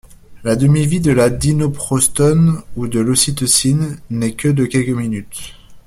La demi-vie de la dinoprostone ou de l'ocytocine n'est que de quelques minutes.